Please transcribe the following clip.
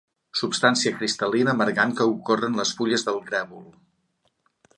Substància cristal·lina amargant que ocorre en les fulles del grèvol.